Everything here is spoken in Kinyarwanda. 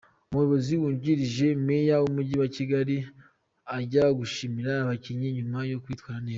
Umuyobozi wungirije Mayor w' umujyi wa Kigali ajya gushimira abakinnyi nyuma yo kwitwara neza.